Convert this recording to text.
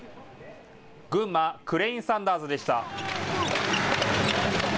群馬クレインサンダーズでした。